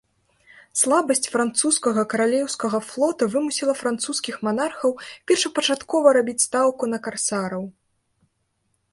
Слабасць французскага каралеўскага флота вымусіла французскіх манархаў першапачаткова рабіць стаўку на карсараў.